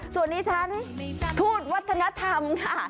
ส่วนนี้ฉันทูตวัฒนธรรมค่ะ